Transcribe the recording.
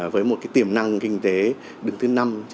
với một tiềm năng kinh tế đứng thứ năm